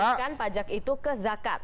dan menghasilkan pajak itu ke jakat